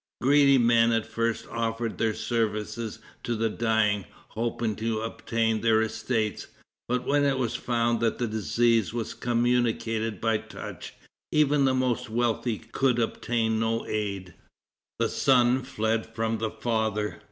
Greedy men at first offered their services to the dying, hoping to obtain their estates, but when it was found that the disease was communicated by touch, even the most wealthy could obtain no aid. The son fled from the father.